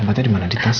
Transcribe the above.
obatnya dimana di tas